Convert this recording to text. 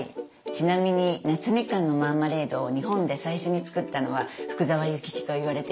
ちなみに夏みかんのマーマレードを日本で最初に作ったのは福沢諭吉といわれています。